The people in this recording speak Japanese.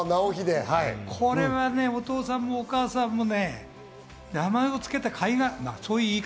これはお父さんもお母さんも名前を付けたかいがあった。